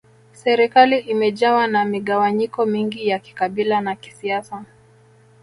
Serikali imejawa na migawanyiko mingi ya kikabila na kisiasa